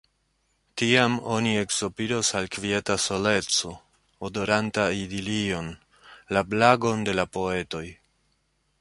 Tiam oni eksopiros al kvieta soleco, odoranta idilion la blagon de la poetoj.